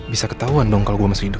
bisa ketauan dong kalau gue masih hidup